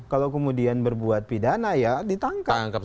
kalau kemudian berbuat pidana ya ditangkap